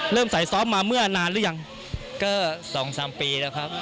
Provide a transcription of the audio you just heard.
เริ่มใส่ซ้อมมาเมื่อนานหรือยังก็๒๓ปีแล้วครับ